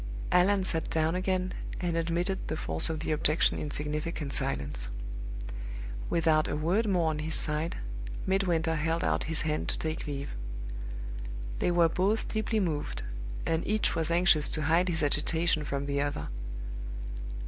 Allan sat down again, and admitted the force of the objection in significant silence. Without a word more on his side, Midwinter held out his hand to take leave. They were both deeply moved, and each was anxious to hide his agitation from the other.